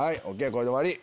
これで終わり。